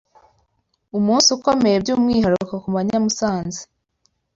umunsi ukomeye by’umwihariko ku Banyamusanze